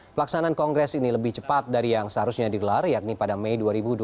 pelaksanaan kongres ini lebih cepat dari yang seharusnya digelar yakni pada mei dua ribu dua puluh